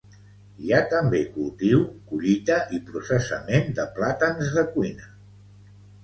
Hi ha també cultiu, collita i processament de plàtans de cuina.